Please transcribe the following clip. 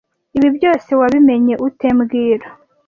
Ibi byose wabimenye ute mbwira